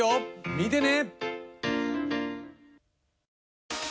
見てね！